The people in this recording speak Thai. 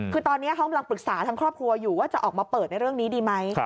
คือตอนนี้เขากำลังปรึกษาทั้งครอบครัวอยู่ว่าจะออกมาเปิดในเรื่องนี้ดีไหม